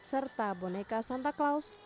serta boneka santa claus